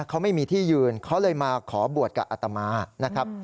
เขาไม่มีที่ยืนเขาเลยมาขอบวชกับอัตมานะครับ